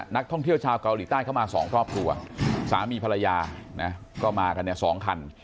นักท่องเที่ยวชาวเกาหลีใต้เข้ามาสองครอบครัวสามีภรรยานะก็มากันเนี่ย๒คัน